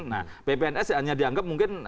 nah ppns hanya dianggap mungkin